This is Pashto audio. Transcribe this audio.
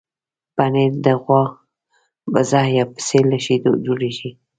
پنېر د غوا، بزه یا پسې له شیدو جوړېږي.